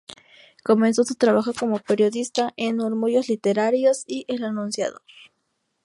Comenzó su trabajo como periodista en "Murmullos Literarios" y "El Anunciador".